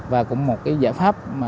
và cũng một giải pháp